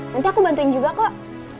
nanti aku bantuin juga kok